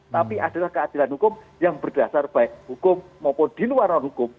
tapi adalah keadilan hukum yang berdasar baik hukum maupun di luar hukum